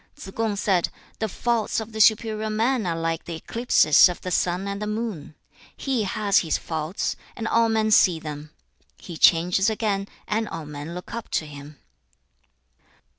Tsze kung said, 'The faults of the superior man are like the eclipses of the sun and moon. He has his faults, and all men see them; he changes again, and all men look up to him.'